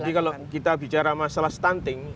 jadi kalau kita bicara masalah stunting